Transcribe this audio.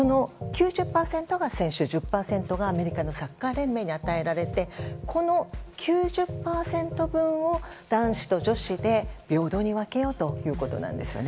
９０％が選手、１０％がアメリカのサッカー連盟に与えられてこの９０％分を、男子と女子で平等に分けようということなんです。